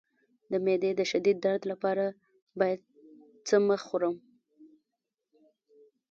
د معدې د شدید درد لپاره باید څه مه خورم؟